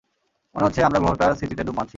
মনে হচ্ছে, আমরা গ্রহটার স্মৃতিতে ডুব মারছি!